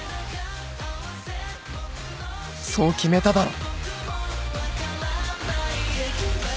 そう決めただろ